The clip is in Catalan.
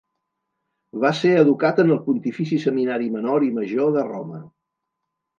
Va ser educat en el Pontifici Seminari Menor i Major de Roma.